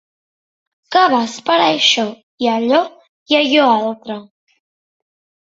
Que vas per això i allò i allò altre